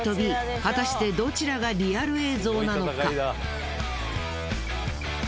果たしてどちらがリアル映像なのか。